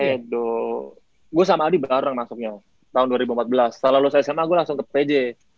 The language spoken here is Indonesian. aduh gue sama adi bareng masuknya tahun dua ribu empat belas setelah lu saya sma gue langsung ke pj